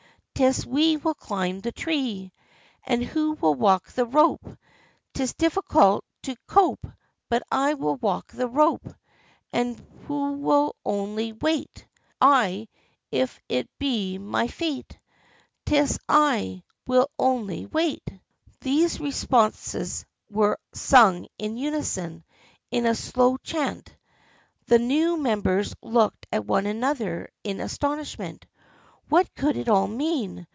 'Tis we will climb the tree." 44 And who will walk the rope? " 44 'Tis difficult to cope, but I will walk the rope." 44 And who will only wait? " 44 1, if it be my fate. 'Tis I— will— only— wait." These responses were sung in unison, in a slow chant. The new members looked at one another in astonishment. What could it all mean